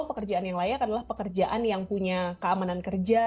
pekerjaan yang layak adalah pekerjaan yang punya keamanan kerja